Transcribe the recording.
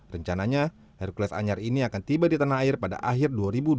rencananya hercules anyar ini akan tiba di tanah air pada akhir dua ribu dua puluh